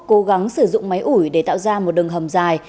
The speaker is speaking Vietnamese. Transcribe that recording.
cố gắng sử dụng máy ủi để tạo ra một đường hầm dài